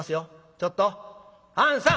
ちょっとあんさん！」。